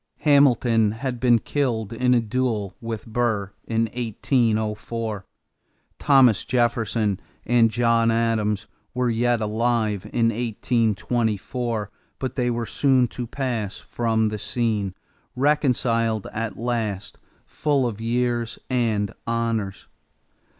Hamilton had been killed in a duel with Burr in 1804. Thomas Jefferson and John Adams were yet alive in 1824 but they were soon to pass from the scene, reconciled at last, full of years and honors.